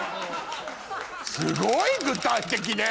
すごい具体的ね。